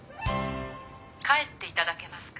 帰っていただけますか。